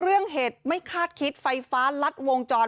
เรื่องเหตุไม่คาดคิดไฟฟ้าลัดวงจร